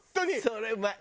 それうまい！